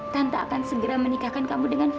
tante akan segera menikahkan kamu dengan fahim